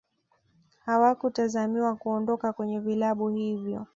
hawakutazamiwa kuondoka kwenye vilabu hivyo